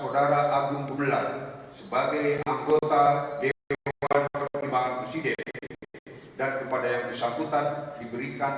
lalu kebangsaan indonesia baik